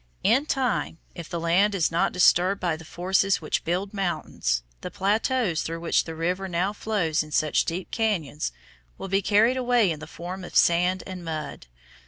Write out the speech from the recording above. In time, if the land is not disturbed by the forces which build mountains, the plateaus through which the river now flows in such deep cañons will be carried away in the form of sand and mud.